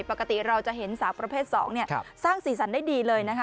ปกติเราจะเห็นสาวประเภท๒สร้างสีสันได้ดีเลยนะคะ